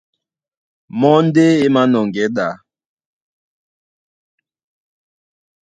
Mɔ́ ndé é mānɔŋgɛɛ́ ɗá.